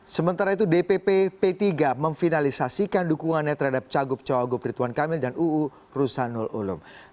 sementara itu dpp p tiga memfinalisasikan dukungannya terhadap cagup cawagup rituan kamil dan uu rusanul ulum